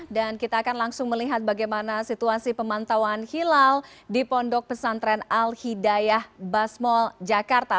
dan kita akan langsung melihat bagaimana situasi pemantauan hilal di pondok pesantren al hidayah basmol jakarta